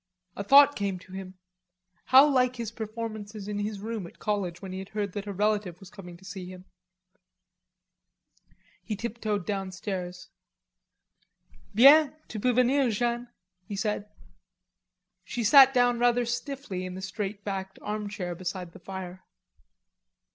A thought came to him: how like his performances in his room at college when he had heard that a relative was coming to see him. He tiptoed downstairs. "Bien. Tu peux venir, Jeanne," he said. She sat down rather stiffly in the straight backed armchair beside the fire.